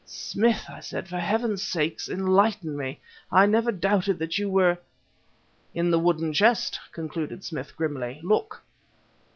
"Smith," I said, "for Heaven's sake enlighten me! I never doubted that you were ..." "In the wooden chest!" concluded Smith grimly, "Look!"